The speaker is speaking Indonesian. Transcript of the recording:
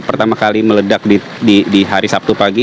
pertama kali meledak di hari sabtu pagi